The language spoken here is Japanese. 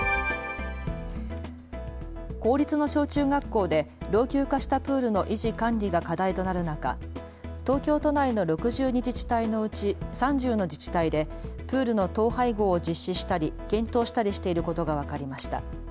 公立の小中学校で老朽化したプールの維持・管理が課題となる中、東京都内の６２自治体のうち３０の自治体でプールの統廃合を実施したり検討したりしていることが分かりました。